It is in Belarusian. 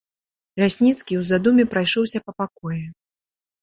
Лясніцкі ў задуме прайшоўся па пакоі.